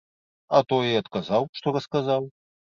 А тое і адказаў, што расказаў.